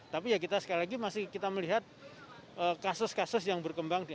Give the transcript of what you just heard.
tapi ya kita sekali lagi masih kita melihat kasus kasus yang berkembang di